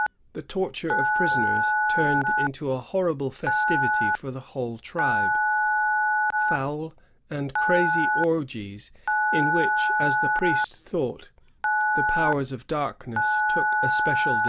The torture of prisoners turned into a horrible festivity for the whole tribe ; foul and crazy orgies in which, as the priest thought, the powers of darkness took a special 118 MISSIONS.